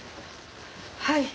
はい。